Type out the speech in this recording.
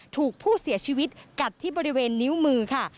ถูกผู้เสียชีวิตกัดที่บริเวณนิ้วมือค่ะ